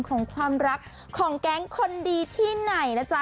ของความรักของแก๊งคนดีที่ไหนนะจ๊ะ